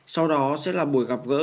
sau đó sẽ là buổi gặp gỡ